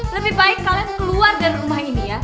lebih baik kalian keluar dari rumah ini ya